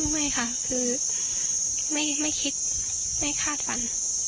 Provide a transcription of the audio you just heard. ไม่ค่ะคือไม่คิดไม่คาดฝัน